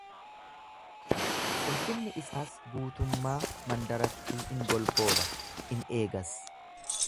Ulfinni isaas guutummaa mandarattii in golbooba, in eegas.